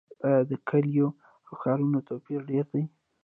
آیا د کلیو او ښارونو توپیر ډیر دی؟